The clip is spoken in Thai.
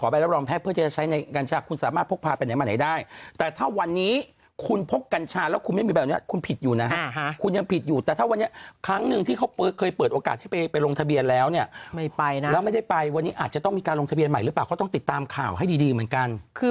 ไปรับรองแพทย์เพื่อที่จะใช้ในกัญชาคุณสามารถพกพาไปไหนมาไหนได้แต่ถ้าวันนี้คุณพกกัญชาแล้วคุณไม่มีแบบนี้คุณผิดอยู่นะฮะคุณยังผิดอยู่แต่ถ้าวันนี้ครั้งหนึ่งที่เขาเคยเปิดโอกาสให้ไปลงทะเบียนแล้วเนี่ยแล้วไม่ได้ไปวันนี้อาจจะต้องมีการลงทะเบียนใหม่หรือเปล่าเขาต้องติดตามข่าวให้ดีเหมือนกัน